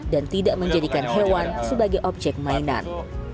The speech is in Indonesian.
dan tidak menjadikan hewan sebagai objek mainan